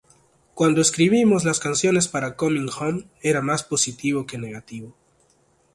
Cuando escribimos las canciones para "Coming Home" era más positivo que negativo.